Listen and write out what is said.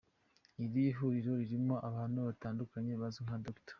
Iri huriro ririmo abantu batandukanye bazwi nka Dr.